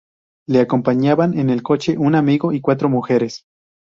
Le acompañaban en el coche un amigo y cuatro mujeres.